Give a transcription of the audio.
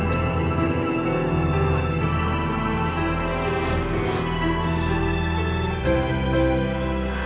oh itu si ingo